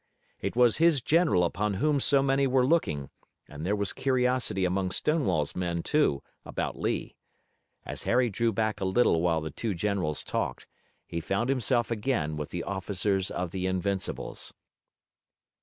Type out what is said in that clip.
It was his general upon whom so many were looking, but there was curiosity among Stonewall's men, too, about Lee. As Harry drew back a little while the two generals talked, he found himself again with the officers of the Invincibles.